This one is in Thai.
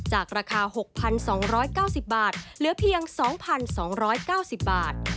ราคา๖๒๙๐บาทเหลือเพียง๒๒๙๐บาท